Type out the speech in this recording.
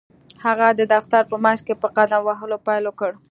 هغه د دفتر په منځ کې په قدم وهلو پيل وکړ.